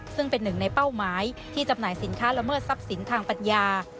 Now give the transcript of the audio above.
ซึ่งเป็นหนึ่งในเป้าหมายที่จำหน่ายสินค้าละเมิดทรัพย์สินทางปัญญา